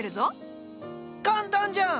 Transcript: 簡単じゃん！